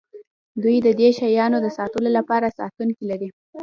دوی د دې شیانو د ساتلو لپاره ساتونکي لري